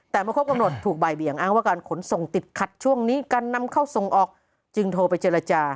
แต่เมื่อครบกำหนดถูกบ่ายเบี่ยงอ้างว่าการขนส่งติดขัดช่วงนี้การนำเข้าส่งออกจึงโทรไปเจรจา